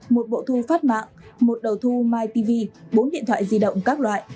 một hộ thu phát mạng một đầu thu mytv bốn điện thoại di động các loại